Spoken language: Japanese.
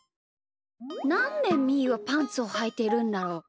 なんでみーはパンツをはいてるんだろう？